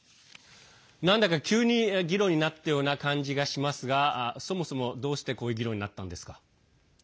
なんだか急に議論になったような感じがしますがそもそも、どうしてこういう議論になったんですか。